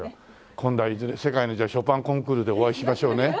今度はいずれ世界にショパンコンクールでお会いしましょうね。